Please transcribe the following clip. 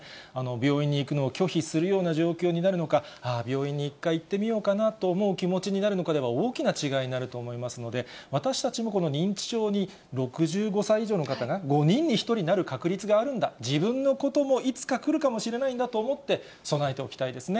病院に行くのを拒否するような状況になるのか、ああ、病院に一回行ってみようかなと思う気持ちになるのかでは、大きな違いになると思いますので、私たちもこの認知症に６５歳以上の方が、５人に１人になる確率があるんだ、自分のこともいつか来るかもしれないんだと思って、備えておきたいですね。